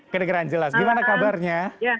kedengeran jelas gimana kabarnya